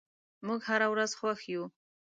موږ هره ورځ خوښ یو.